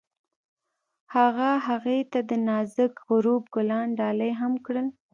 هغه هغې ته د نازک غروب ګلان ډالۍ هم کړل.